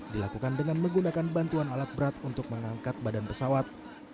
dilakukan dengan menggunakan bantuan alat berat untuk mengangkat badan pesawat